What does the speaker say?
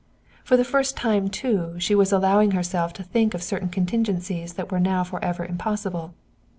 For the first time, too, she was allowing herself to think of certain contingencies that were now forever impossible.